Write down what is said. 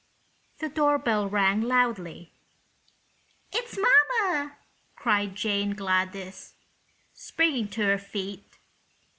The door bell rang loudly. "It's mamma!" cried Jane Gladys, springing to her feet.